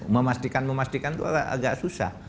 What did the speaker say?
memastikan memastikan itu agak susah